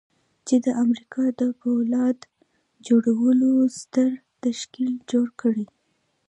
چې د امريکا د پولاد جوړولو ستر تشکيل جوړ کړي.